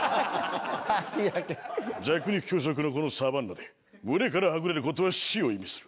弱肉強食のこのサバンナで群れからはぐれる事は死を意味する。